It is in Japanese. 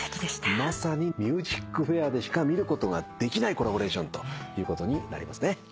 まさに『ＭＵＳＩＣＦＡＩＲ』でしか見ることができないコラボレーションということになりますね。